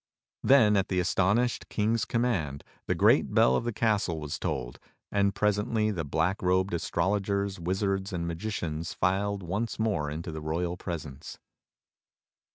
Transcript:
Then, at the astonished King's command, the great bell of the castle was tolled, and presently the black robed astrologers, wizards and magicians filed once again into the royal presence.